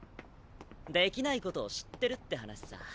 出来ない事を知ってるって話さ。